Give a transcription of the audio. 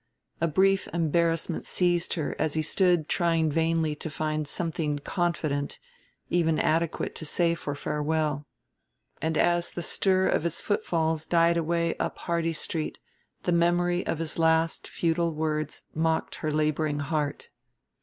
A brief embarrassment seized her as he stood trying vainly to find something confident, even adequate, to say for farewell. And as the stir of his footfalls died away up Hardy Street the memory of his last futile words mocked her laboring heart.